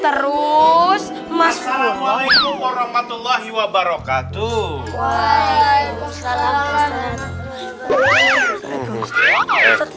terus masalah waalaikum warahmatullahi wabarakatuh waalaikumsalam